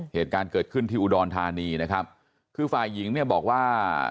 เหตุการณ์เกิดขึ้นที่อุดรธานีนะครับคือฝ่ายหญิงเนี่ยบอกว่า